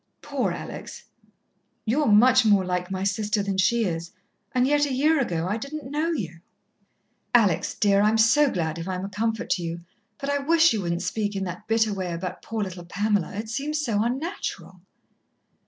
"Poor Alex!" "You're much more like my sister than she is, and yet a year ago I didn't know you." "Alex, dear, I'm so glad if I'm a comfort to you but I wish you wouldn't speak in that bitter way about poor little Pamela. It seems so unnatural."